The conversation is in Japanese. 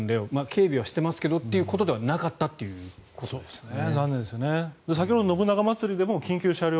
警備はしてますけどっていうことではなかったっていうことですよね。